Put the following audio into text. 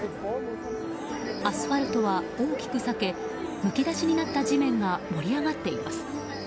アスファルトは大きく裂けむき出しになった地面が盛り上がっています。